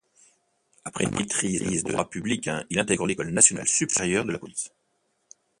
Après une maîtrise de droit public, il intègre l'École nationale supérieure de la Police.